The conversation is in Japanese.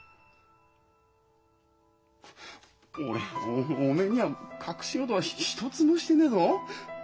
俺おめえには隠し事は一つもしてねえぞ。